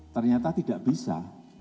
ternyata tidak bisa